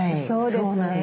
そうですね。